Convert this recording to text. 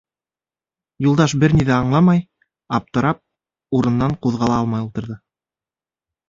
Юлдаш бер ни ҙә аңламай, аптырап, урынынан ҡуҙғала алмай ултырҙы.